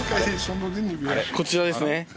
こちらですね。